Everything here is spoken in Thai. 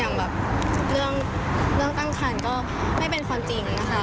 อย่างแบบเรื่องตั้งคันก็ไม่เป็นความจริงค่ะ